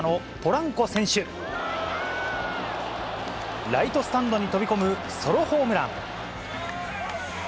ライトスタンドに飛び込むソロホームラン。